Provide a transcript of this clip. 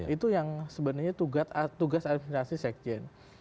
itu yang sebenarnya tugas administrasi set chain